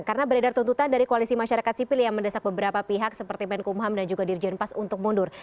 karena beredar tuntutan dari koalisi masyarakat sipil yang mendesak beberapa pihak seperti pnkum ham dan juga dirjen pas untuk mundur